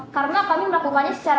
karena kami melakukannya secara